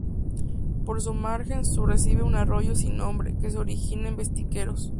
Por su margen sur recibe un arroyo sin nombre, que se origina en ventisqueros.